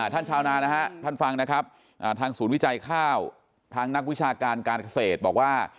ชาวนานะฮะท่านฟังนะครับทางศูนย์วิจัยข้าวทางนักวิชาการการเกษตรบอกว่า